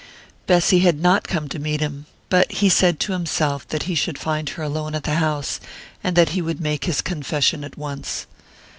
Bessy had not come to meet him; but he said to himself that he should find her alone at the house, and that he would make his confession at once.